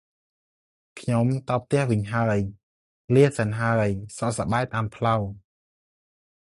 ខ្ញុំទៅផ្ទះវិញហើយ។ លាសិនហើយ។ សុខសប្បាយតាមផ្លូវ។